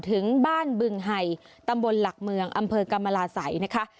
ถึงบ้านบึงไห่ตำบลหลักเมืองอำเภอกรรมราศัยนะคะ